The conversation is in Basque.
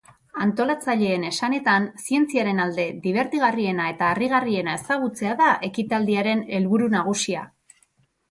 Antolatzaileen esanetan, zientziaren alde dibertigarriena eta harrigarriena ezagutzea da ekitaldiaren helburu nagusia.